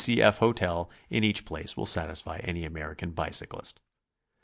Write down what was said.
C. F. hotel in each place will satisfy any American bicyclist.